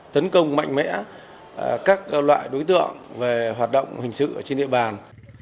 tấn công mạnh mẽ các loại đối tượng về hoạt động hình sự trên địa bàn